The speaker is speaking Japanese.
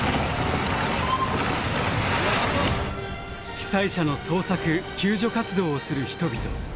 被災者の捜索・救助活動をする人々。